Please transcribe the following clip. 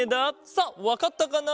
さあわかったかな？